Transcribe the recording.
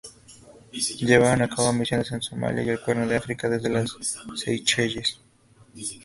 Llevaron a cabo misiones en Somalia y el Cuerno de África desde las Seychelles.